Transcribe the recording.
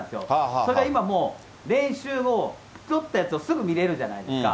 それが今はもう、練習後、撮ったやつをすぐ見れるじゃないですか。